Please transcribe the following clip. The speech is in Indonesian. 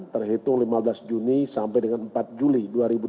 terhitung lima belas juni sampai dengan empat juli dua ribu dua puluh